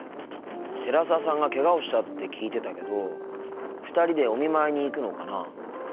寺澤さんがけがをしたって聞いてたけど２人でお見舞いに行くのかなあ。